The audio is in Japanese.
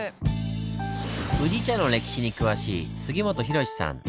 宇治茶の歴史に詳しい杉本宏さん。